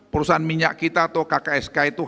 perusahaan minyak kita atau kksk itu